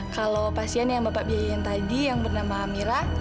kalau pasien yang bapak biayain tadi yang bernama mira